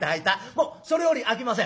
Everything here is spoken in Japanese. もうそれより開きません。